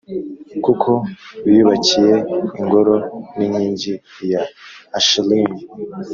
kuko biyubakiye ingoro n inkingi ya Asherimu.